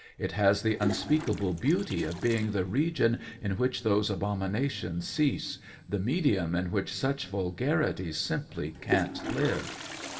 It has the unspeakable beauty of being the region in which those abominations cease, the medium in which such vulgarities simply can't live.